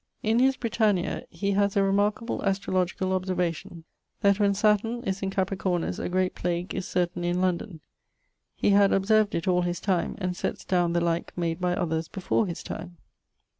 In his Britannia he haz a remarkable astrologicall observation, that when Saturn is in Capricornus a great plague is certainly in London. He had observed it all his time, and setts downe the like made by others before his time.